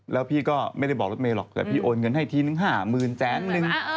แล้วพี่ก็ไม่ได้บอกรถเมย์หรอกแต่พี่โอนเงินให้ทีนึง๕๐๐๐แสนนึง